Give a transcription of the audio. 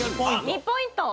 ２ポイント！